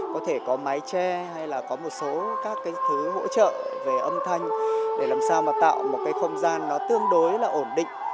có thể có mái tre hay là có một số các cái thứ hỗ trợ về âm thanh để làm sao mà tạo một cái không gian nó tương đối là ổn định